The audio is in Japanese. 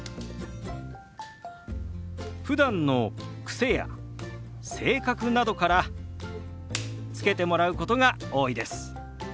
ふだんの癖や性格などから付けてもらうことが多いです。